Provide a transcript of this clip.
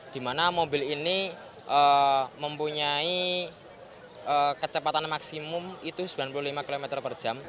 di mana mobil ini mempunyai kecepatan maksimum itu sembilan puluh lima km per jam